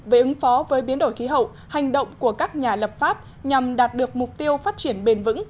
về ứng phó với biến đổi khí hậu hành động của các nhà lập pháp nhằm đạt được mục tiêu phát triển bền vững